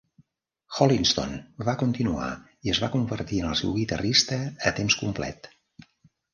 Holliston va continuar i es va convertir en el seu guitarrista a temps complet.